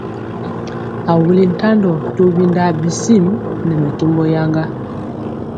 A wuli ntandɔ to windaa bisim nɛ mɛkembɔ yaŋga.